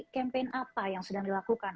campaign apa yang sedang dilakukan